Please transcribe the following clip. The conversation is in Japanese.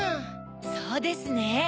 そうですね。